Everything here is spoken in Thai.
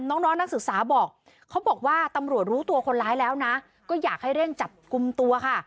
น้องน้องนักศึกษาบอกเขาบอกว่าตำรวจรู้ตัวคนร้ายแล้วนะก็อยากให้เร่งจับกลุ่มตัวค่ะ